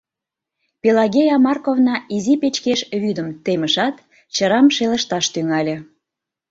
Пелагея Марковна изи печкеш вӱдым темышат, чырам шелышташ тӱҥале.